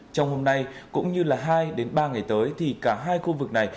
trong hôm nay cũng như là hai đến ba ngày tới thì cả hai khu vực này